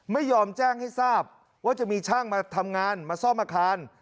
ไม่ยอมแจ้งให้ทราบว่าจะมีช่างมาทำงานมาซ่อมอาคาร